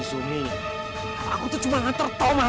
ini dirusak orang utama